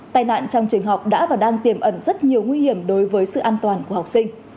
tài nạn trong trường học đã và đang tiềm ẩn rất nhiều nguy hiểm đối với sự an toàn của học sinh